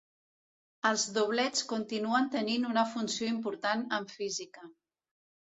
Els doblets continuen tenint una funció important en física.